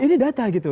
ini data gitu